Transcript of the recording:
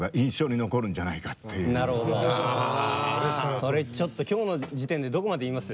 それちょっと今日の時点でどこまで言います？